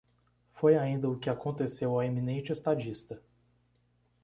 Foi ainda o que aconteceu ao eminente estadista.